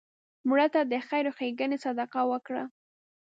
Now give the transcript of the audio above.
مړه ته د خیر ښیګڼې صدقه وکړه